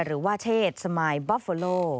หรือว่าเชศสมายบอฟเฟอโล